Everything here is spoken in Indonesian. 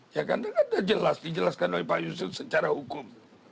ya kan sudah jelas dijelaskan oleh pak yusuf secara hukum